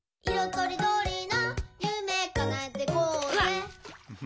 とりどりなゆめかなえてこうぜ！」